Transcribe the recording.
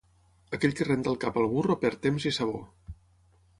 Aquell que renta el cap al burro perd temps i sabó.